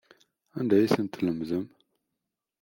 Anda ay tent-tlemdem?